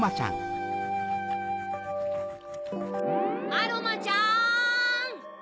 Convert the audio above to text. アロマちゃん！